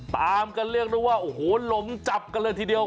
ตามกันเรียกได้ว่าโอ้โหหลงจับกันเลยทีเดียว